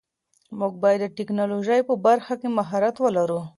موږ باید د ټیکنالوژۍ په برخه کې مهارت ولرو.